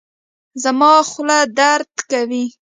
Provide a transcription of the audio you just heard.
زما خوله درد کوي